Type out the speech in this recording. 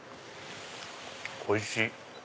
おいしい。